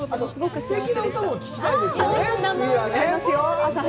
すてきな歌も聞きたいですよね、次は。